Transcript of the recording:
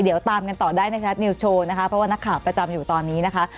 เดี๋ยวตามกันต่อได้ในไทยรัฐนิวส์โชว์นะคะเพราะว่านักข่าวประจำอยู่ตอนนี้นะคะ